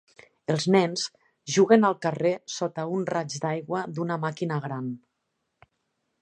Els nens juguen al carrer sota un raig d'aigua d'una màquina gran.